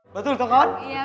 memangnya ini edisi apa